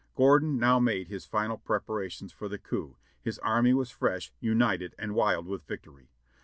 Gordon now made his final preparations for the coup; his army was fresh, united, and wild with victory.